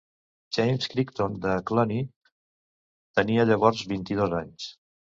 James Crichton de Cluny tenia llavors vint-i-dos anys.